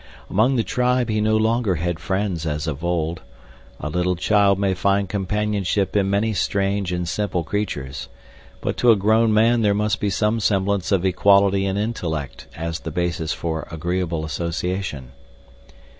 Among the tribe he no longer had friends as of old. A little child may find companionship in many strange and simple creatures, but to a grown man there must be some semblance of equality in intellect as the basis for agreeable association.